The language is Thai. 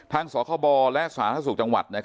ทางสบและสหสสกจังหวัด